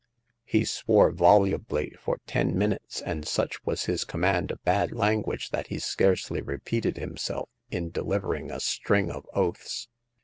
He swore volubly for ten minutes ; and such was his command of bad language that he scarcely re peated himself in delivering a string of oaths.